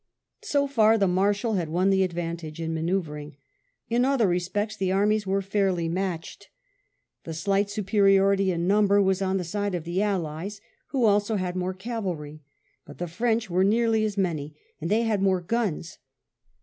So far the Marshal had won the advantage in manoeuvring. In other respects the armies were fairly matched. The slight superiority in number was on the side of the Allies, who also had more cavalry, but the French were nearly as many, and they had more guns.